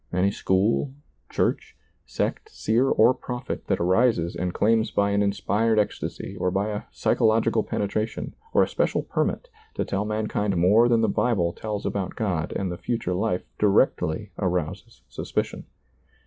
Any school, church, sect, seer, or prophet that arises and claims by an inspired ecstasy or by a psychological penetration or a special permit to tell mankind more than the Bible tells about God and the future life directly arouses suspicion.